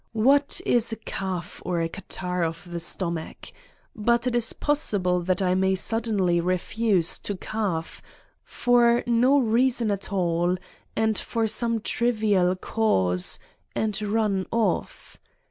What is a cough or a catarrh of the stomach? But it is possible that I may suddenly refuse to cough, for no rea son at all, or for some trivial cause, and run off!